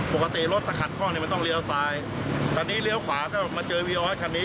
สุดท้ายคือคันนี้อยู่ที่คันนี้